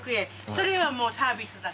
それはもうサービスだから。